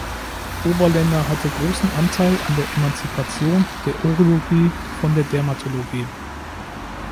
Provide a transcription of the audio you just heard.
Oberländer hatte großen Anteil an der Emanzipation der Urologie von der Dermatologie.